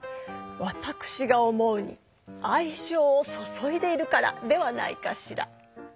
わたくしが思うに「あいじょうをそそいでいるから」ではないかしら。